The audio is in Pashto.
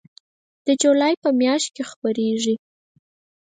د جولای په میاشت کې خپریږي